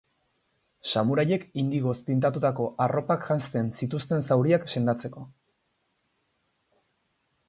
Samuraiek indigoz tindatutako arropak jazten zituzten zauriak sendatzeko.